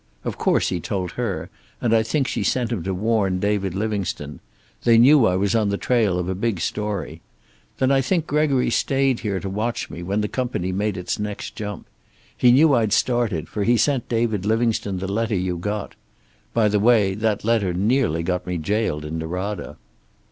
Of course he told her, and I think she sent him to warn David Livingstone. They knew I was on the trail of a big story. Then I think Gregory stayed here to watch me when the company made its next jump. He knew I'd started, for he sent David Livingstone the letter you got. By the way, that letter nearly got me jailed in Norada."